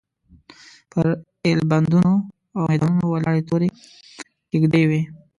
پر ایلبندونو او میدانونو ولاړې تورې کېږدۍ وې.